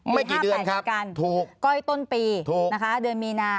ไม่กี่เดือนครับถูกก้อยต้นปีถูกนะคะเดือนมีนา